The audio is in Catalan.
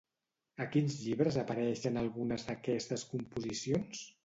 A quins llibres apareixen algunes d'aquestes composicions?